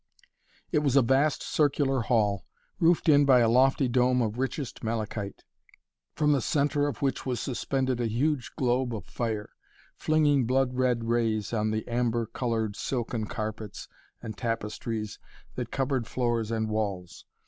It was a vast circular hall, roofed in by a lofty dome of richest malachite, from the centre of which was suspended a huge globe of fire, flinging blood red rays on the amber colored silken carpets and tapestries that covered floors and walls.